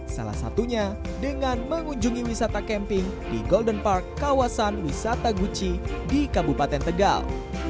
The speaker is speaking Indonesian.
salah satunya dengan mengunjungi wisata camping di golden park kawasan wisata gucci di kabupaten tegal